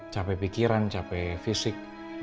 capek pikiran capek fisik